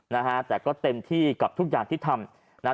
นะฮะแต่ก็เต็มที่กับทุกอย่างที่ทำนะฮะ